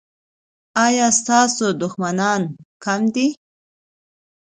ایا ستاسو دښمنان کم دي؟